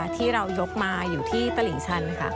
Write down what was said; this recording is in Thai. ที่เรายกมาอยู่ที่ตลิ่งชันค่ะ